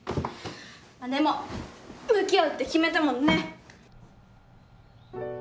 まっでも向き合うって決めたもんね。